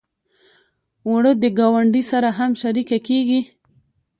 اوړه د ګاونډي سره هم شریکه کېږي